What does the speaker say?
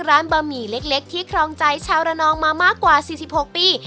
บะหมี่เล็กที่ครองใจชาวระนองมามากกว่า๔๖ปี